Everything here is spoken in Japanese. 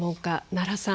奈良さん。